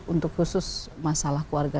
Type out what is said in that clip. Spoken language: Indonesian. untuk khusus masalah keluarga